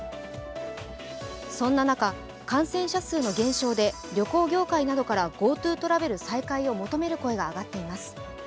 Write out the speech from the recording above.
そんな中、感染者数の減少で旅行業界などからＧｏＴｏトラベル再開を求める声が上がっています。